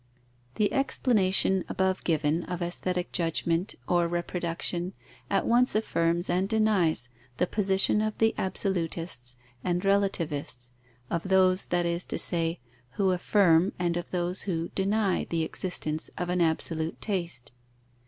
_ The explanation above given of aesthetic judgment or reproduction at once affirms and denies the position of the absolutists and relativists, of those, that is to say, who affirm and of those who deny the existence of an absolute taste.